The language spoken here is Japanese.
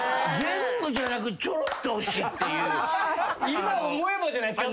今思えばじゃないですか？